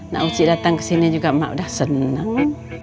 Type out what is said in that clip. nak uci datang kesini juga mah udah seneng